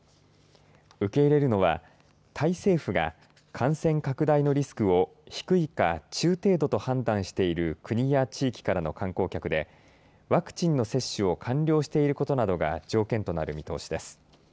受け入れるのはタイ政府が感染拡大のリスクを低いか中程度と判断している国や地域からの観光客でワクチンの接種を完了していることなどが条件となる見通しです。